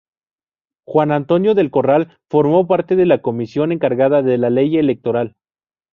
Juan Antonio del Corral formó parte de la comisión encargada de la ley electoral.